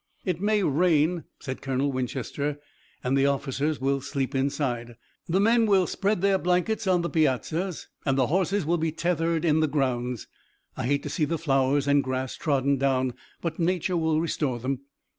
"It may rain," said Colonel Winchester, "and the officers will sleep inside. The men will spread their blankets on the piazzas, and the horses will be tethered in the grounds. I hate to see the flowers and grass trodden down, but nature will restore them."